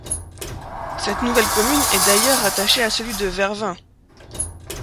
Cette nouvelle commune est d'ailleurs rattachée à celui de Vervins.